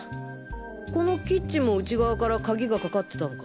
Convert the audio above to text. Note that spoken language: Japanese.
このキッチンも内側から鍵がかかってたのか？